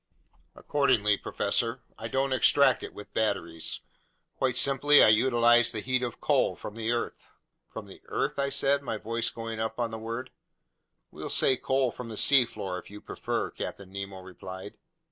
"Accordingly, professor, I don't extract it with batteries; quite simply, I utilize the heat of coal from the earth." "From the earth?" I said, my voice going up on the word. "We'll say coal from the seafloor, if you prefer," Captain Nemo replied.